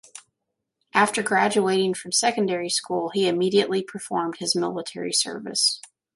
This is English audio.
After graduating from secondary school he immediately performed his military service.